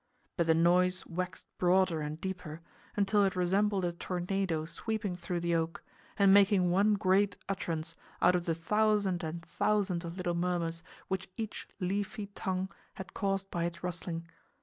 But the noise waxed broader and deeper until it resembled a tornado sweeping through the oak and making one great utterance out of the thousand and thousand of little murmurs which each leafy tongue had caused by its rustling.